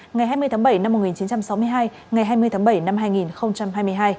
ngày hai mươi tháng bảy năm một nghìn chín trăm sáu mươi hai ngày hai mươi tháng bảy năm hai nghìn hai mươi hai